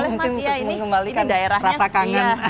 mungkin untuk mengembalikan rasa kangen